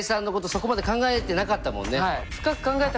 そこまで考えてなかったもんね。